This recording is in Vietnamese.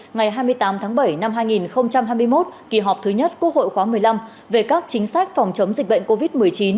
ngày hai mươi tám tháng bảy năm hai nghìn hai mươi một kỳ họp thứ nhất quốc hội khóa một mươi năm về các chính sách phòng chống dịch bệnh covid một mươi chín